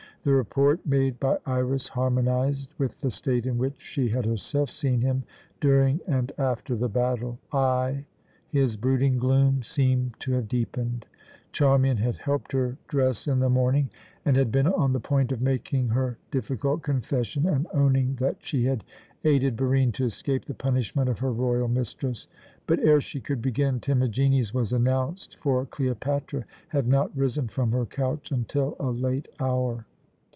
The report made by Iras harmonized with the state in which she had herself seen him during and after the battle. Ay, his brooding gloom seemed to have deepened. Charmian had helped her dress in the morning, and had been on the point of making her difficult confession, and owning that she had aided Barine to escape the punishment of her royal mistress; but ere she could begin, Timagenes was announced, for Cleopatra had not risen from her couch until a late hour.